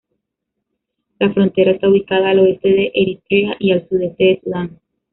La frontera está ubicada al oeste de Eritrea y al sudeste de Sudán.